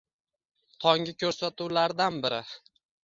Tonggi ko‘rsatuvlardan biri.